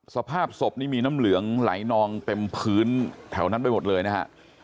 สภาพศพนี่มีน้ำเหลืองไหลนองเต็มพื้นแถวนั้นไปหมดเลยนะฮะ